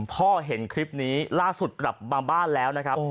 เห็นคลิปนี้ล่าสุดกลับมาบ้านแล้วนะครับ